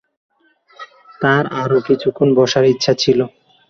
তাঁর আরো কিছুক্ষণ বসার ইচ্ছা ছিল।